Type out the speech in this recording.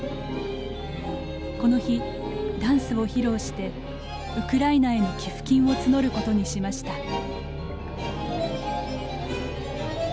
この日、ダンスを披露してウクライナへの寄付金を募ることにしました。